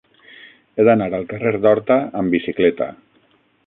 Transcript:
He d'anar al carrer d'Horta amb bicicleta.